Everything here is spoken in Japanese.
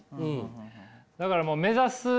だからもう目指すもの